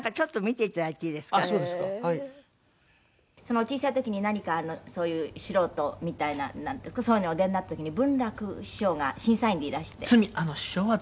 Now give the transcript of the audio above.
「お小さい時に何かそういう素人みたいななんていうかそういうのお出になった時に文楽師匠が審査員でいらして」「罪！